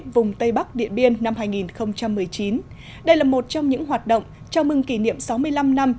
vùng tây bắc điện biên năm hai nghìn một mươi chín đây là một trong những hoạt động chào mừng kỷ niệm sáu mươi năm năm